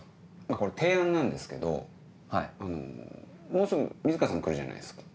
これ提案なんですけどもうすぐ水川さん来るじゃないですか。